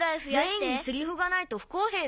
「ぜんいんにセリフがないとふこうへいだ」。